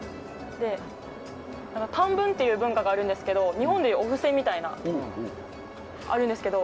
タンブンという文化があるんですけど日本でいうお布施みたいなのがあるんですけど。